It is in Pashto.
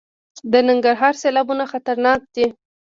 د ننګرهار سیلابونه خطرناک دي؟